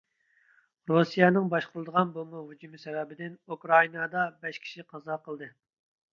رۇسىيەنىڭ باشقۇرۇلىدىغان بومبا ھۇجۇمى سەۋەبىدىن ئۇكرائىنادا بەش كىشى قازا قىلدى.